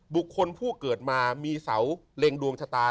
บุคคลผู้เกิดมามีเสาเล็งดวงชะตา